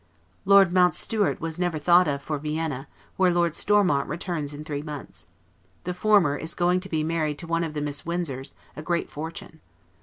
Lord Mountstuart was never thought of for Vienna, where Lord Stormont returns in three months; the former is going to be married to one of the Miss Windsors, a great fortune.